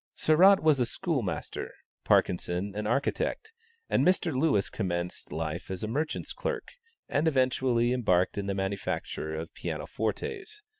Sarratt was a schoolmaster, Parkinson an architect, and Mr. Lewis commenced life as a merchant's clerk, and eventually embarked in the manufacture of piano fortes.